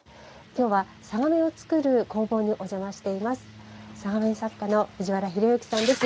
今日は嵯峨面を作る工房にお邪魔しています。